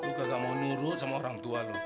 lu gak mau nurut sama orang tua lu